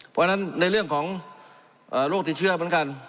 เพราะฉะนั้นในเรื่องของโรคติดเชื้อเหมือนกัน